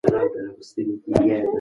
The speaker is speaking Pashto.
د کیفیت پر اساس ویډیو ارزونه ترسره کېږي.